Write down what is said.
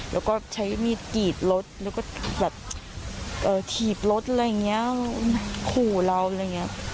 แล้วก็ใช้มีดกรีดรถแล้วก็แบบถีบรถอะไรอย่างนี้ขู่เราอะไรอย่างนี้